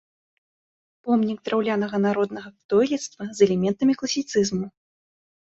Помнік драўлянага народнага дойлідства з элементамі класіцызму.